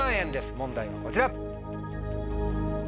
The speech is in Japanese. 問題はこちら。